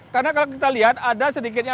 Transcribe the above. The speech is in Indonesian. karena kalau kita lihat ada sedikitnya